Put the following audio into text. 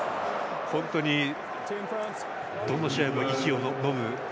本当にどの試合も息をのむ。